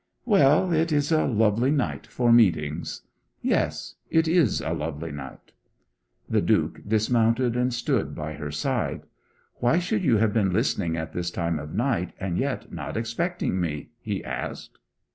'Well; it is a lovely night for meetings.' 'Yes, it is a lovely night.' The Duke dismounted and stood by her side. 'Why should you have been listening at this time of night, and yet not expecting me?' he asked.